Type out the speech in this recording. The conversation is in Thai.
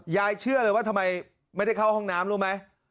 เชื่อเลยว่าทำไมไม่ได้เข้าห้องน้ำรู้ไหม